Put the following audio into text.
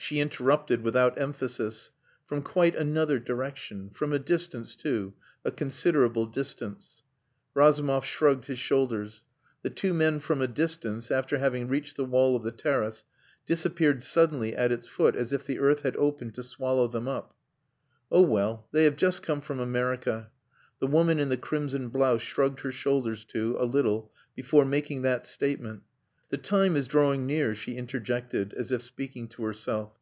She interrupted, without emphasis "From quite another direction. From a distance, too. A considerable distance." Razumov shrugged his shoulders. The two men from a distance, after having reached the wall of the terrace, disappeared suddenly at its foot as if the earth had opened to swallow them up. "Oh, well, they have just come from America." The woman in the crimson blouse shrugged her shoulders too a little before making that statement. "The time is drawing near," she interjected, as if speaking to herself.